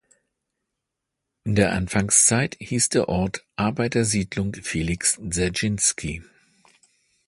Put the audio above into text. In der Anfangszeit hieß der Ort „Arbeitersiedlung Felix Dserschinski“.